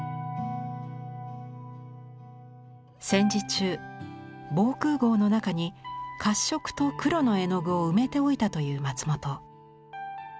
戦時中防空ごうの中に褐色と黒の絵の具を埋めておいたという松本。